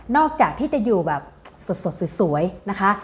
จากที่จะอยู่แบบสดสวยนะคะ